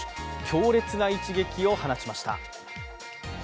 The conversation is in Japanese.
強烈な一撃を放ちました。